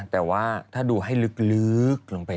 แต่ว่าถ้าดูให้ลึกลงไป